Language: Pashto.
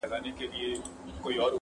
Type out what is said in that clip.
هغه مي خړ وطن سمسور غوښتی٫